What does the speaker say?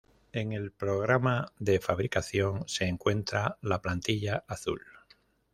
En el programa de fabricación se encuentra la "plantilla azul".